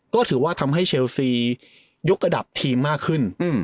ก็ถือว่าทำให้เชลซียกระดับทีมมากขึ้น